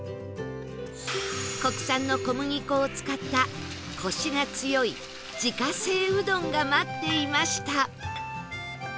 国産の小麦粉を使ったコシが強い自家製うどんが待っていました